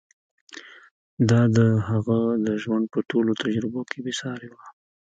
دا د هغه د ژوند په ټولو تجربو کې بې سارې وه.